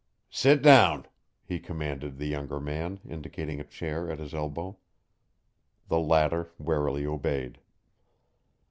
"Sit down," he commanded the younger man, indicating a chair at his elbow. The latter warily obeyed.